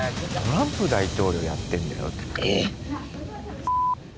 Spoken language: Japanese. トランプ大統領やってんだよ。